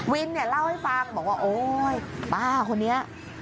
วินเนี่ยเล่าให้ฟังบอกว่าโอ๊ยป้าคนนี้